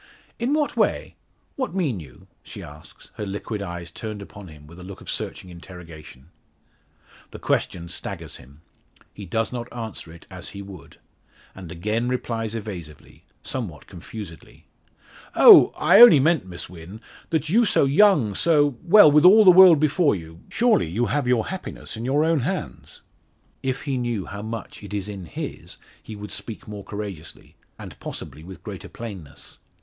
"In what way? What mean you?" she asks, her liquid eyes turned upon him with a look of searching interrogation. The question staggers him. He does not answer it as he would, and again replies evasively somewhat confusedly. "Oh! I only meant, Miss Wynn that you so young so well, with all the world before you surely have your happiness in your own hands." If he knew how much it is in his he would speak more courageously, and possibly with greater plainness.